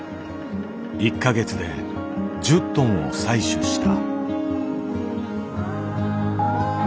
１か月で１０トンを採取した。